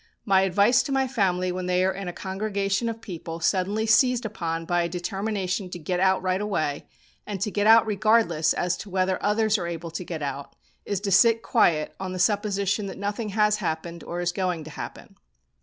My advice to my family when they are in a congregation of people suddenly seized upon by a determination to get out right away, and to get out regardless as to whether others are able to get out, is to sit quiet on the supposition that nothing has happened, or is going to happen.